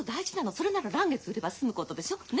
それなら嵐月売れば済むことでしょ。ね？